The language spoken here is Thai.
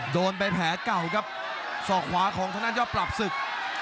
โดนไปแผลเก่าครับสอกขวาของทางด้านยอดปรับศึก